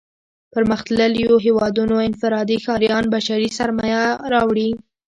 پرمختلليو هېوادونو انفرادي ښاريان بشري سرمايه راوړي.